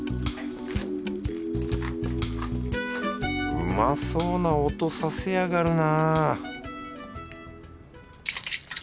うまそうな音させやがるな